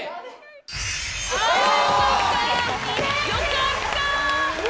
・よかった！